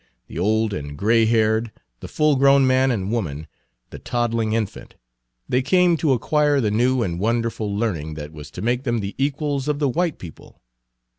The old and gray haired, the full grown man and woman, the toddling infant, they came to acquire the new and wonderful learning that was to make them the equals of the white people.